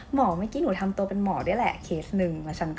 หมอเมื่อกี้หนูทำตัวเป็นหมอด้วยแหละเคสหนึ่ง